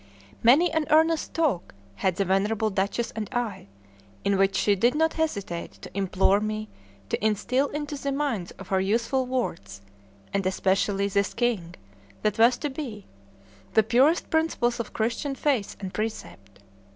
Many an earnest talk had the venerable duchess and I, in which she did not hesitate to implore me to instil into the minds of her youthful wards and especially this king that was to be the purest principles of Christian faith and precept.